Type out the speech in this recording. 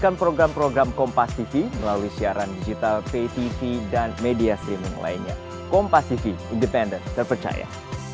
kompas tv independen terpercaya